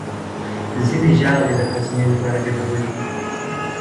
ځینې ژاولې د هاضمې لپاره ګټورې وي.